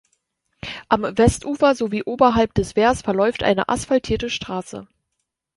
Am Westufer, sowie oberhalb des Wehrs verläuft eine asphaltierte Straße.